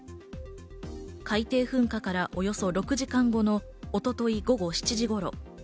海底噴火からおよそ６時間後の一昨日、午後７時頃。